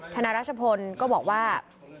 นารัชพลก็บอกว่า